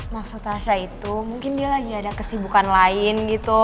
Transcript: maksud tasya itu mungkin dia lagi ada kesibukan lain gitu